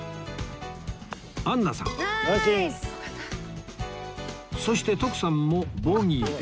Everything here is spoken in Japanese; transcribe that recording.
アンナさんそして徳さんもボギーで